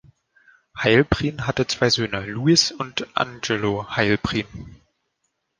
Heilprin hatte zwei Söhne, Louis und Angelo Heilprin.